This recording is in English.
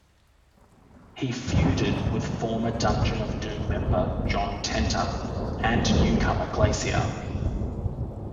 He feuded with former Dungeon of Doom member John Tenta, and newcomer Glacier.